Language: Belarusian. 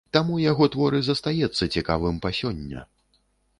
Таму яго твор і застаецца цікавым па сёння.